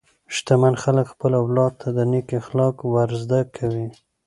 شتمن خلک خپل اولاد ته نېک اخلاق ورزده کوي.